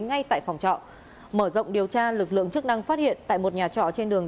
ngay tại phòng trọ mở rộng điều tra lực lượng chức năng phát hiện tại một nhà trọ trên đường